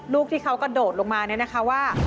ลูกที่เขากระโดดลงมาเนี่ยนะคะว่า